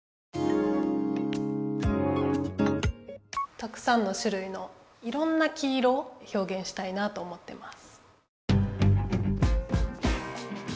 たくさんのしゅるいのいろんな黄色ひょうげんしたいなと思ってます。